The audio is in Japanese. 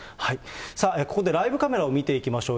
さあ、ここでライブカメラを見ていきましょう。